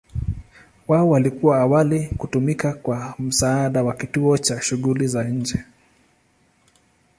Wao walikuwa awali kutumika kwa msaada wa kituo cha shughuli za nje.